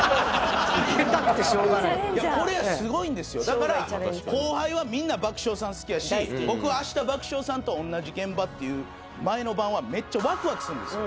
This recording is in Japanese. だから後輩はみんな爆笑さん好きやし僕は明日爆笑さんと同じ現場っていう前の晩はめっちゃワクワクするんですよ。